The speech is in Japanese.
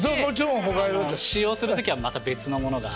使用する時はまた別のものが。